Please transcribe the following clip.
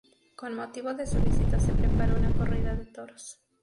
Con motivo de su visita se preparó una corrida de toros.